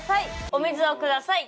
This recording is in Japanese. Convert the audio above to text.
お水をください！